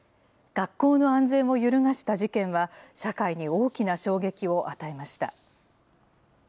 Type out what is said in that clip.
学校の安全を揺るがした事件は、社会に大きな衝撃を与えました。